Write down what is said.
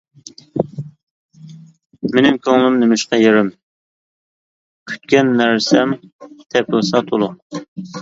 مېنىڭ كۆڭلۈم نېمىشقا يېرىم؟ كۈتكەن نەرسەم تېپىلسا تۇلۇق.